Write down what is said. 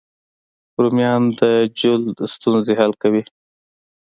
رومیان د جلد ستونزې حل کوي